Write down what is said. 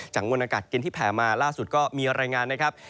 มวลอากาศเย็นที่แผ่มาล่าสุดก็มีรายงานนะครับ